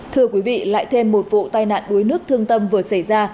thưa quý vị lại thêm một vụ tai nạn đuối nước thương tâm vừa xảy ra